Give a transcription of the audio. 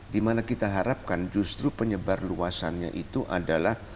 dimana kita harapkan justru penyebar luasannya itu adalah